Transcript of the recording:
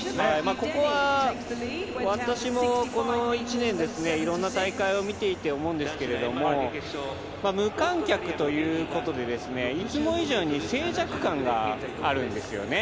ここは私もこの１年いろんな大会を見ていて思うんですけれど、無観客ということでいつも以上に静寂感があるんですよね。